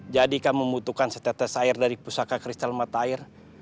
jadi kamu membutuhkan setetes air dari pusaka kristal mata air